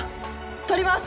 撮ります。